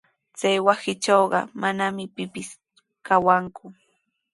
Chay wasitrawqa manami pipis kawanku.